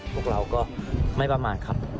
พวกเราก็ไม่ประมาณครับ